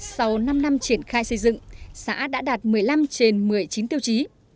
sau năm năm triển khai xây dựng xã đã đạt một mươi năm trên một mươi chín tiêu chí